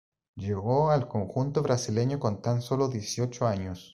Llegó al conjunto brasileño con tan solo dieciocho años.